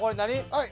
はい。